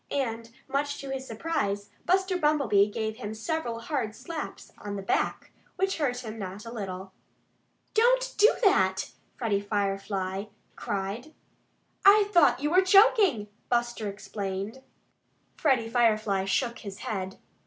And much to his surprise, Buster Bumblebee gave him several hard slaps on the back, which hurt him not a little. "Don't do that!" Freddie Firefly cried. "I thought you were choking," Buster, explained. Freddie Firefly shook his head.